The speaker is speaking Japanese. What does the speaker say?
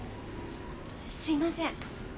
すいません。